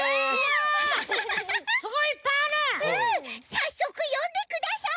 さっそくよんでください！